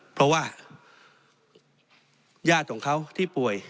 เพราะว่าญาติของเขาที่ป่วย